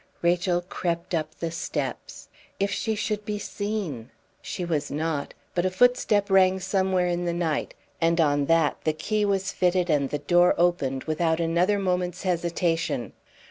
Rachel crept up the steps. If she should be seen! She was not; but a footstep rang somewhere in the night, and on that the key was fitted and the door opened without another moment's hesitation.